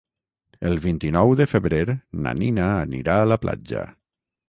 El vint-i-nou de febrer na Nina anirà a la platja.